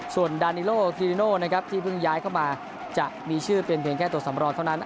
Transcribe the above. ส่วนดานิโลกิริโน่นะครับที่เพิ่งย้ายเข้ามาจะมีชื่อเป็นเพียงแค่ตัวสำรองเท่านั้น